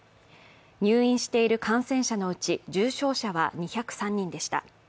入院している感染者のうち重症者は２０３人でした。